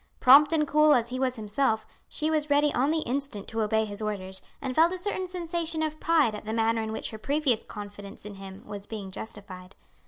Prompt and cool as he was himself, she was ready on the instant to obey his orders, and felt a certain sensation of pride at the manner in which her previous confidence in him was being justified.